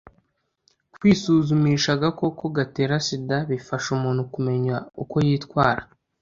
kwisuzumisha agakoko gatera sida bifasha umuntu kumenya uko yitwara